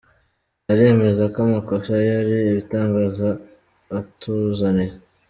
Aremeza ko amakosa ye ari ibitangaza atuzaniye